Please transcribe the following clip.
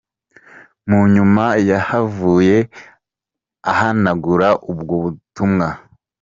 " Munyuma yahavuye ahanagura ubwo butumwa.